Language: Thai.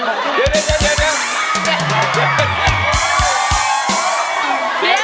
เดี๋ยวเดี๋ยวเดี๋ยว